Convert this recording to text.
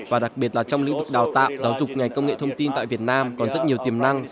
và đặc biệt là trong lĩnh vực đào tạo giáo dục nghề công nghệ thông tin tại việt nam còn rất nhiều tiềm năng